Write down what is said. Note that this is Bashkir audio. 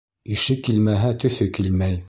Ише килмәһә, төҫө килмәй.